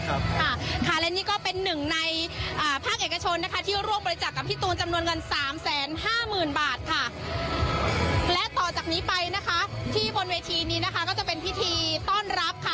ต่อจากนี้ไปนะคะที่บนเวทีนี้นะคะก็จะเป็นพิธีต้อนรับค่ะ